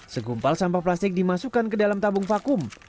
segumpal sampah plastik dimasukkan ke dalam tabung vakum